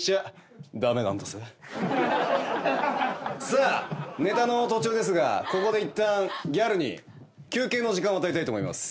さあネタの途中ですがここでいったんギャルに休憩の時間を与えたいと思います。